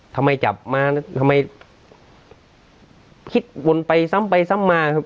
ทำไมจับมาทำไมคิดวนไปซ้ำไปซ้ำมาครับ